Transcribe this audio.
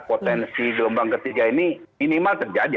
potensi gelombang ketiga ini minimal terjadi